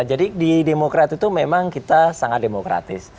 jadi di demokrat itu memang kita sangat demokratis